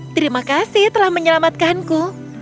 terima kasih telah menyelamatkanku